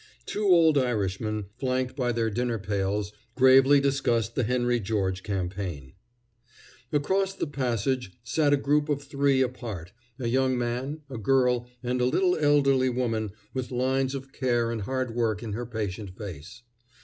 Two old Irishmen, flanked by their dinner pails, gravely discussed the Henry George campaign. Across the passage sat a group of three apart a young man, a girl, and a little elderly woman with lines of care and hard work in her patient face.